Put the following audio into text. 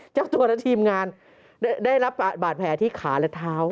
เจ้าตัวและทีมงานได้รับบาดแผลที่ขาและเท้า